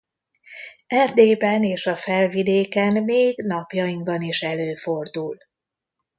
Erdélyben és a Felvidéken még napjainkban is előfordul.